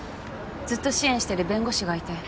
ずっと支援してる弁護士がいて。